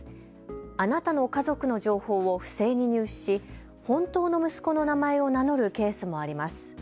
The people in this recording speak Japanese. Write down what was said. あなたの家族の情報を不正に入手し本当の息子の名前を名乗るケースもあります。